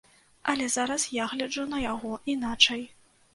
Але зараз я гляджу на яго іначай.